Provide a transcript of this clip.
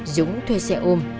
dũng thuê xe ôm